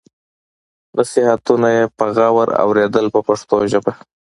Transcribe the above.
نصیحتونه یې په غور اورېدل په پښتو ژبه.